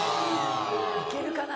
いけるかな？